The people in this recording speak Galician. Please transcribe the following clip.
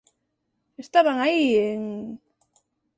Estaban aí en...